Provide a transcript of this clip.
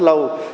thì đã được